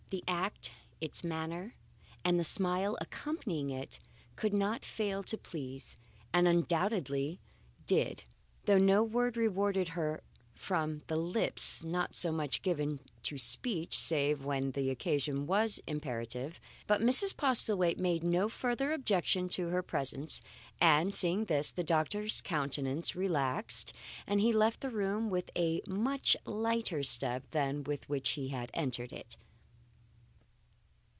The act, its manner, and the smile accompanying it, could not fail to please, and undoubtedly did, though no word rewarded her from lips not much given to speech save when the occasion was imperative. But Mrs. Postlethwaite made no further objection to her presence, and, seeing this, the doctor's countenance relaxed and he left the room with a much lighter step than that with which he had entered it.